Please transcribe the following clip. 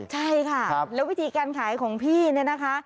ใช่ค่ะแล้ววิธีการขายของพี่เนี่ยนะคะ